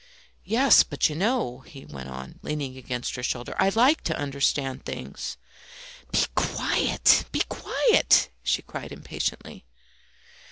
"Yes, but you know," he went on, leaning against her shoulder, "I like to understand things." "Be quiet! be quiet!" she cried impatiently.